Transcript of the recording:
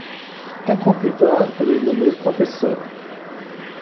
Quatre ans plus tard elle est y nommée professeur.